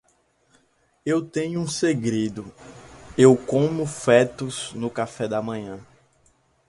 Eu tenho um segredo: eu como fetos no café da manhã.